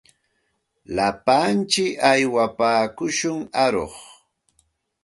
Lapantsik aywapaakushun aruq.